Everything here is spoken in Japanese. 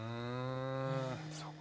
うんそうか。